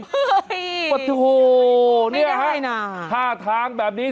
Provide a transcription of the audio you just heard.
เฮ้ยไม่ได้ให้น่ะโหนี่ฮะท่าท้างแบบนี้